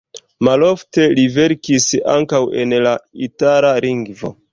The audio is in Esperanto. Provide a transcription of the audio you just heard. Malofte li verkis ankaŭ en la itala lingvo.